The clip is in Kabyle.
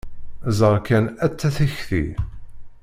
Ẓer kan atta tikti!